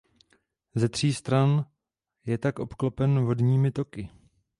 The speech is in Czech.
Ze tří stran je tak obklopen vodními toky.